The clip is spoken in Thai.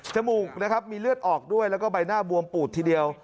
มูกนะครับมีเลือดออกด้วยแล้วก็ใบหน้าบวมปูดทีเดียว